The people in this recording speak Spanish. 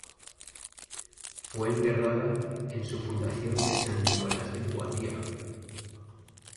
Fue enterrada en su fundación de Saint-Nicolas-de Poitiers.